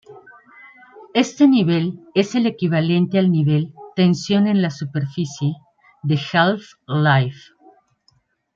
Este nivel es el equivalente al nivel "Tensión en la superficie" de Half-Life.